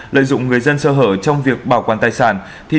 lợi dụng người dân sơ hở trong việc bảo quản tài sản